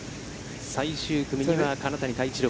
最終組には金谷多一郎